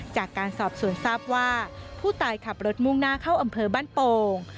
จากการสอบสวนทราบว่าผู้ตายขับรถมุ่งหน้าเข้าอำเภอบ้านโป่ง